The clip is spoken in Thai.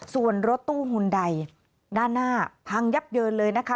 ส่วนรถตู้หุ่นใดด้านหน้าพังยับเยินเลยนะคะ